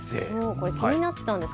これ気になっていたんです